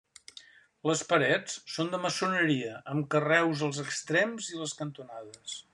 Les parets són de maçoneria, amb carreus als extrems i les cantonades.